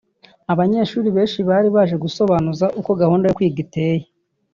abanyeshuri benshi bari baje gusobanuza uko gahunda yo kwiga iteye